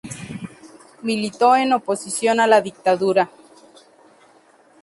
Militó en oposición a la dictadura.